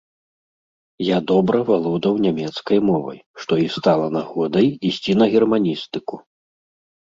Я добра валодаў нямецкай мовай, што і стала нагодай ісці на германістыку.